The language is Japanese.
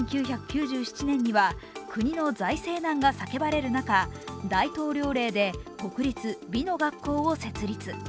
１９９７年には国の財政難が叫ばれる中、大統領令で国立美の学校を設立。